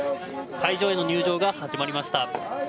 会場への入場が始まりました。